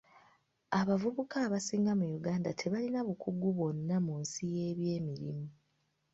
Abavubuka abasinga mu Uganda tebalina bukugu bwonna mu nsi y'ebyemirimu.